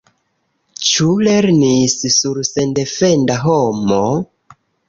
Ĉu lernis sur sendefenda homo?